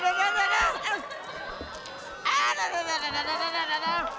aduh aduh aduh